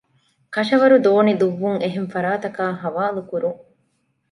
ކަށަވަރު ދޯނި ދުއްވުން އެހެން ފަރާތަކާއި ޙަވާލުކުރުން